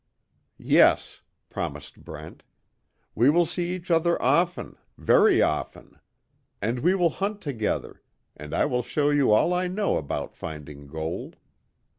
"Yes," promised Brent, "We will see each other often very often. And we will hunt together, and I will show you all I know about finding gold.